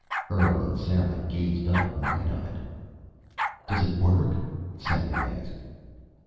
Earl and Sally gazed up, wide eyed. "Does it work?" Sally asked.